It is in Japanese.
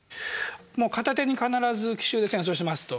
片手に必ず奇襲で戦争しますと。